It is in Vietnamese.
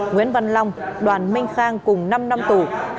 nguyễn văn long đoàn minh khang cùng năm năm tù